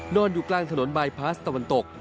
นอนอยู่กลางถนนบายพลาสตะวันตก